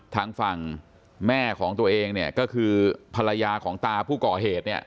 ทางฝั่งแม่ของตัวเองก็คือภรรยาของตาผู้ก่อเหตุ